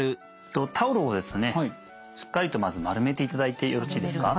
タオルをですねしっかりとまず丸めていただいてよろしいですか。